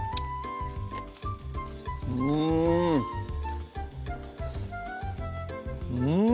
うんうん！